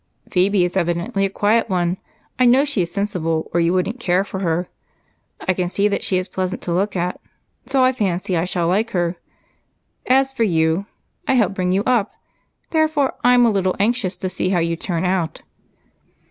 "Phebe is evidently a quiet one. I know she is sensible, or you wouldn't care for her. I can see that she is pleasant to look at, so I fancy I shall like her. As for you, I helped bring you up, therefore I am a little anxious to see how you turn out.